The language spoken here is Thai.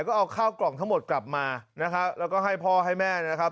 ก็เอาข้าวกล่องทั้งหมดกลับมานะครับแล้วก็ให้พ่อให้แม่นะครับ